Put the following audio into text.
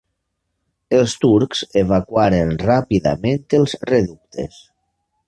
Els turcs evacuaren ràpidament els reductes.